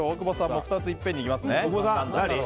２ついっぺんに行きますね。